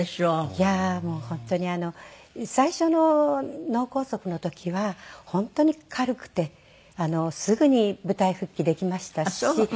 いやーもう本当に最初の脳梗塞の時は本当に軽くてすぐに舞台復帰できましたし